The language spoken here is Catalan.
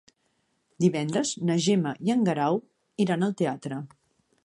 Divendres na Gemma i en Guerau iran al teatre.